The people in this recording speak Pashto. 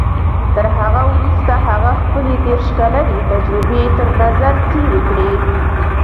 تر هغه وروسته هغه خپلې دېرش کلنې تجربې تر نظر تېرې کړې.